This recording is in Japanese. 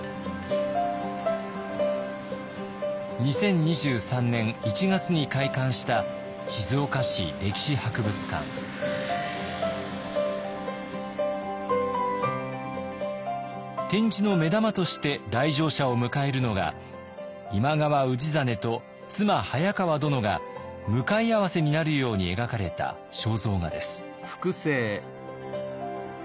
２０２３年１月に開館した展示の目玉として来場者を迎えるのが今川氏真と妻早川殿が向かい合わせになるように描かれた肖像画です。